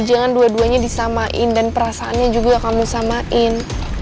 jangan dua duanya disamain dan perasaannya juga kamu samain